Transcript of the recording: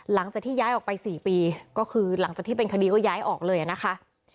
หลังจากที่ย้ายออกไป๔ปีก็คือหลังจากที่เป็นคดีก็ย้ายออกเลยนะคะ